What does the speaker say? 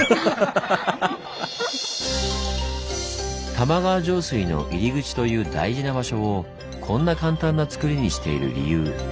玉川上水の入り口という大事な場所をこんな簡単なつくりにしている理由。